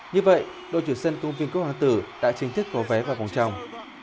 như vậy đội trưởng sơn cung viên quốc hoàng tử đã chính thức có vé vào vòng tròng